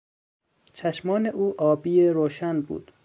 چشمان او آبی روشن بود.